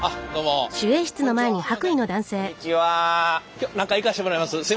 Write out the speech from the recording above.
今日中行かしてもらいます。